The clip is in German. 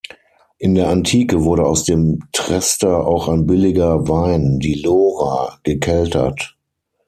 In der Antike wurde aus dem Trester auch ein billiger Wein, die Lora, gekeltert.